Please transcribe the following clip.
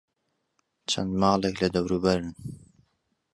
چەند ماڵێک لە دەوروبەرن.